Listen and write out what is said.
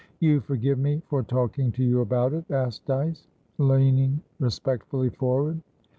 "You forgive me for talking to you about it?" asked Dyce, leaning respectfully forward.